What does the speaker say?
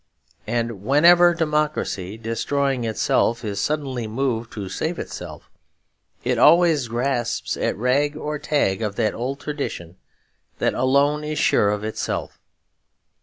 And whenever democracy destroying itself is suddenly moved to save itself, it always grasps at rag or tag of that old tradition that alone is sure of itself.